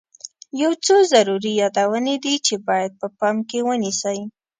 یو څو ضروري یادونې دي چې باید په پام کې ونیسئ.